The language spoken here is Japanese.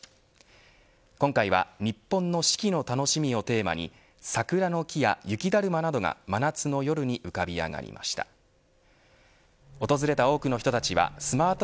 今回は日本の四季の楽しみをテーマに桜の木や雪だるまなどが真夏の夜に大人を旅する不思議なエレベーター